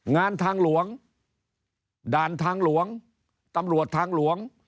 งานทางหลวงด่านทางหลวงตำรวจทางหลวง